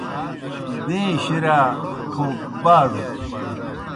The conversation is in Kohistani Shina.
دَیں شِرِیا ٹھوپ باز